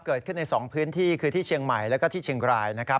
เกิดขึ้นใน๒พื้นที่คือที่เชียงใหม่แล้วก็ที่เชียงรายนะครับ